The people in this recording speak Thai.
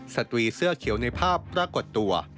สตรีเสื้อเขียวในภาพปรากฏตัว